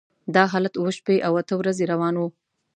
دا حالت اوه شپې او اته ورځې روان و.